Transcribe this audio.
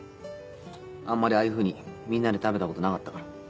あんまりああいうふうにみんなで食べたことなかったから。